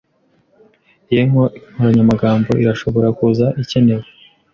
Iyi nkoranyamagambo irashobora kuza ikenewe.